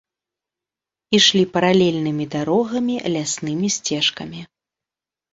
Ішлі паралельнымі дарогамі, ляснымі сцежкамі.